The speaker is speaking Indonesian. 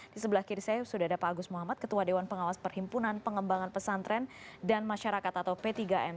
di sebelah kiri saya sudah ada pak agus muhammad ketua dewan pengawas perhimpunan pengembangan pesantren dan masyarakat atau p tiga m